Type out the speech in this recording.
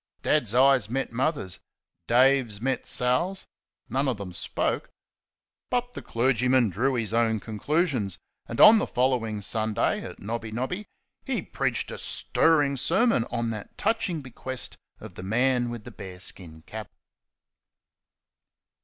Dad's eyes met Mother's; Dave's met Sal's; none of them spoke. But the clergyman drew his own conclusions; and on the following Sunday, at Nobby Nobby, he preached a stirring sermon on that touching bequest of the man with the bear skin cap.